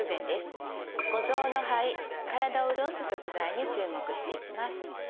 五臓の「肺」「体をうるおす食材」に注目していきます。